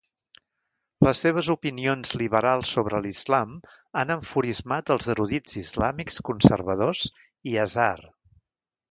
Les seves opinions liberals sobre l'Islam han enfurismat els erudits islàmics conservadors i Azhar.